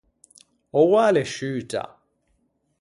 Oua a l’é sciuta.